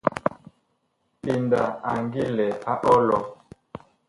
PENDA a ngi lɛ a ɔlɔ.